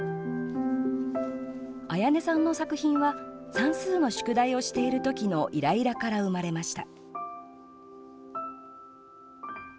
彩音さんの作品は算数の宿題をしている時のイライラから生まれました。